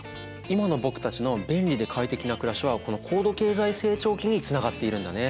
今の僕たちの便利で快適な暮らしはこの高度経済成長期につながっているんだね。